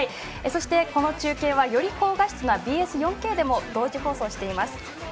そして、この中継はより高画質なＢＳ４Ｋでも同時放送しています。